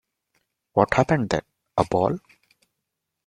What happens then, a ball?